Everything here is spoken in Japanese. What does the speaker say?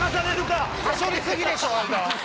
はしょり過ぎでしょ間。